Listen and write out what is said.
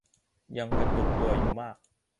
ยังกระจุกตัวอยู่มาก